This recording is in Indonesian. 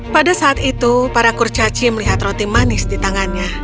pada saat itu para kurcaci melihat roti manis di tangannya